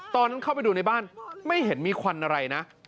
เข้าไปดูในบ้านไม่เห็นมีควันอะไรนะ